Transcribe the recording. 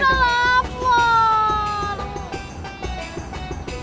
bunga udah lapar